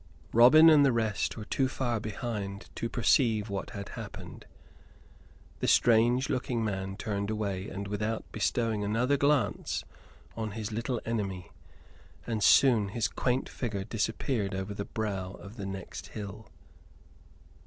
Robin and the rest were too far behind to perceive what had happened. The strange looking man turned away without bestowing another glance on his little enemy, and soon his quaint figure disappeared over the brow of the next hill.